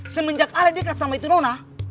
semenjak ale dekat sama itu nona